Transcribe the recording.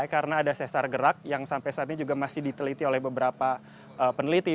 karena ada sesar gerak yang sampai saat ini juga masih diteliti oleh beberapa peneliti